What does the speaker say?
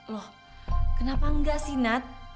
loh kenapa nggak sih nad